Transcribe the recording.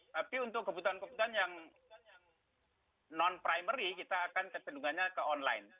tapi untuk kebutuhan kebutuhan yang non primary kita akan kecendungannya ke online